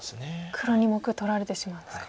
黒２目取られてしまうんですか。